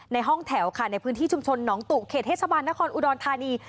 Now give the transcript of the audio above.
ห้องแถวค่ะในพื้นที่ชุมชนหนองตุเขตเทศบาลนครอุดรธานี